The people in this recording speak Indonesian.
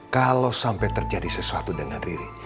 kalau sampai terjadi sesuatu dengan diri